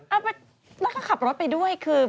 แล้วก็ขับรถไปด้วยคือ